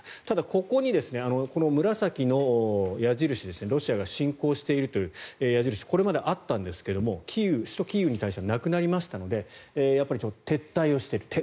ただ、ここにこの紫の矢印ですねロシアが侵攻しているという矢印これまであったんですが首都キーウに対してはなくなりましたのでやっぱり撤退をしている。